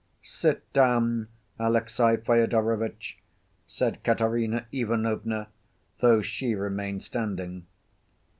"Sit down, Alexey Fyodorovitch," said Katerina Ivanovna, though she remained standing.